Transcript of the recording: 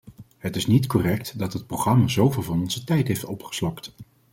Het is niet correct dat het programma zoveel van onze tijd heeft opgeslokt.